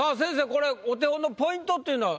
これお手本のポイントっていうのは？